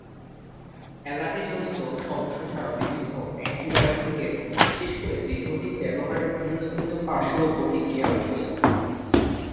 অ্যলার্জিজনিত সমস্যা ছাড়াও বিভিন্ন অ্যান্টিবায়োটিকের বিশেষ করে দীর্ঘদিন ব্যবহারে ভিন্ন ভিন্ন পাশর্ব প্রতিক্রিয়া রয়েছে।